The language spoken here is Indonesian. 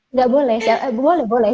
nggak boleh boleh boleh